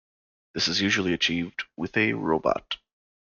This is usually achieved with a robot.